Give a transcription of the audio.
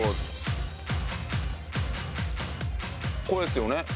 これですよね